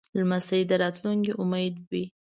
لمسی د راتلونکې امید وي.